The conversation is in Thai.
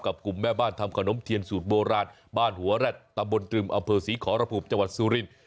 กลุ่มแม่บ้านทำขนมเทียนสูตรโบราณบ้านหัวแร็ดตำบลตรึมอำเภอศรีขอระภูมิจังหวัดสุริน